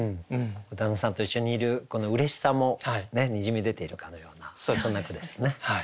旦那さんと一緒にいるこのうれしさもにじみ出ているかのようなそんな句でしたね。